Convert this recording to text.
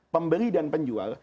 pemberi dan penjual